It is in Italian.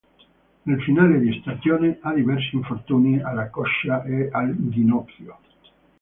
Nel finale di stagione ha diversi infortuni, alla coscia e al ginocchio.